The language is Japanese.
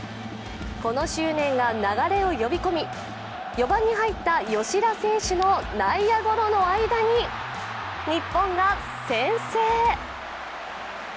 この執念が流れを呼び込み、４番に入った吉田選手の内野ゴロの間に日本が先制。